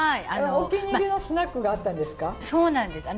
お気に入りのスナックがあったんですか？